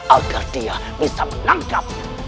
agar dia bisa menangkap